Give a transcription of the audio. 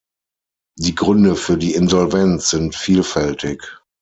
Die Gründe für die Insolvenz sind vielfältig.